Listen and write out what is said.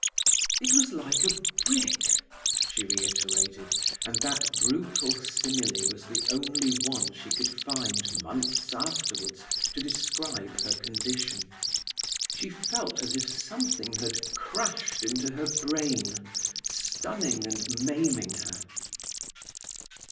"It was like a brick," she reiterated, and that brutal simile was the only one she could find, months afterwards, to describe her condition. She felt as if something had crashed into her brain, stunning and maiming her.